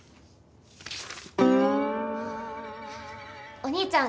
お義兄ちゃん